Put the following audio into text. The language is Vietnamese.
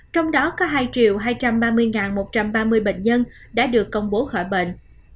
trong đó có hai hai trăm ba mươi một trăm ba mươi bệnh nhân